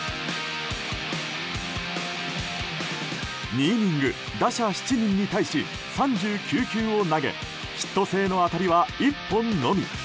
２イニング打者７人に対し３９球を投げヒット性の当たりは１本のみ。